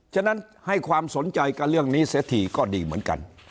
ฉะนั้นให้ความสนใจกับเรื่องนี้เสียทีก็ดีเหมือนกัน